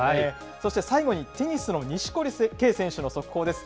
そして最後に、テニスの錦織圭選手の速報です。